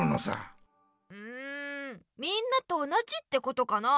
んみんなと同じってことかな。